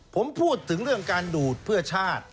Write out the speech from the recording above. ผมพูดถึงเรื่องการดูดเพื่อชาติ